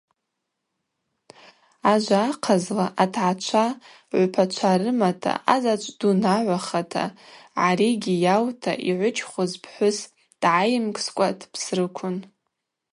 Ажва ахъазла – атгӏачва гӏвпачва рымата, азаджв дунагӏвахата, гӏаригьи йаута, йгӏвыджьхуз пхӏвыс дгӏайымгскӏва дпсрыквын.